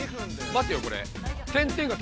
まてよこれ。